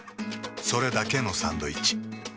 それだけのサンドイッチ。